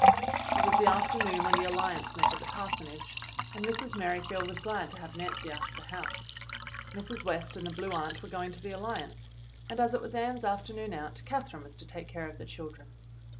It was the afternoon when the Alliance met at the parsonage, and Mrs. Merrifield was glad to have Nancy out of the house. Mrs. West and the Blue Aunt were going to the Alliance, and as it was Ann's afternoon out, Catherine was to take care of the children.